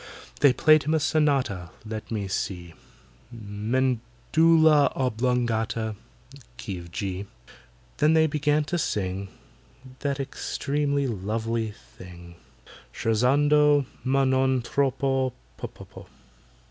They played him a sonata—let me see! "Medulla oblongata"—key of G. Then they began to sing That extremely lovely thing, "Scherzando! ma non troppo, ppp."